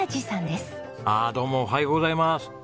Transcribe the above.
ああどうもおはようございます。